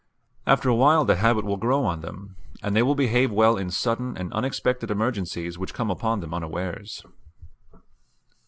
After a while the habit will grow on them, and they will behave well in sudden and unexpected emergencies which come upon them unawares.